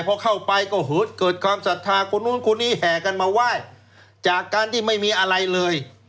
พอเข้าไปก็เกิดความศรัทธาคนนู้นคนนี้แห่กันมาไหว้จากการที่ไม่มีอะไรเลย